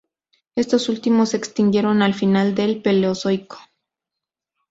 Estos últimos se extinguieron al final del Paleozoico.